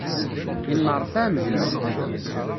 Inneṛfaɛ Mhenni.